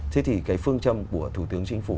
thế thì cái phương châm của thủ tướng chính phủ